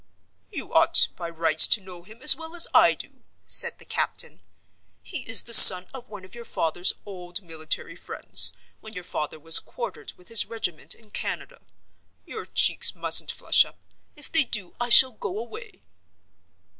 "You ought by rights to know him as well as I do," said the captain. "He is the son of one of your father's old military friends, when your father was quartered with his regiment in Canada. Your cheeks mustn't flush up! If they do, I shall go away."